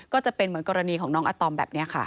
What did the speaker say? ก็จะเป็นเหมือนกรณีของน้องอาตอมแบบนี้ค่ะ